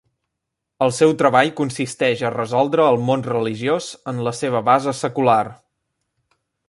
El seu treball consisteix a resoldre el món religiós en la seva base secular.